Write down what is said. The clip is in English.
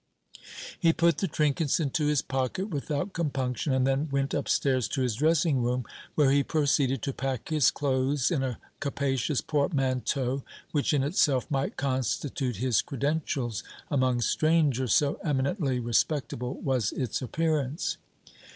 He put the trinkets into his pocket without compunction, and then went upstairs to his dressing room, where he proceeded to pack his clothes in a capacious portmanteau, which in itself might constitute his credentials among strangers, so eminently respectable was its appearance.